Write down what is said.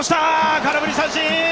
空振り三振。